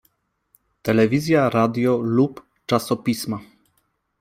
Telewizja, radio lub czasopisma.